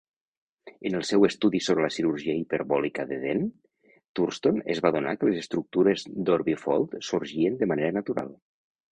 En els seu estudi sobre la cirurgia hiperbòlica de Dehn, Thurston es va adonar que les estructures d'orbifold sorgien de manera natural.